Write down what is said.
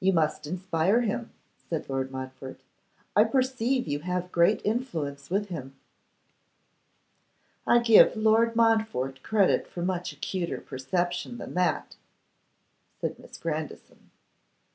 'You must inspire him,' said Lord Montfort. 'I perceive you have great influence with him.' 'I give Lord Montfort credit for much acuter perception than that,' said Miss Grandison.